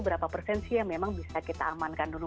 berapa persen sih yang memang bisa kita amankan dulu